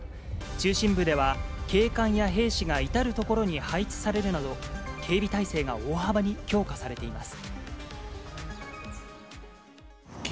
中心部では、警官や兵士が至る所に配置されるなど、警備態勢が大幅に強化されています。